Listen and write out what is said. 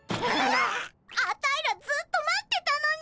アタイらずっと待ってたのに！